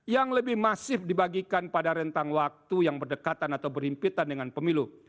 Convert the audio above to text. yang lebih masif dibagikan pada rentang waktu yang berdekatan atau berhimpitan dengan pemilu